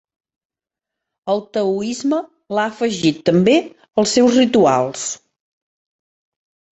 El Taoisme l'ha afegit també als seus rituals.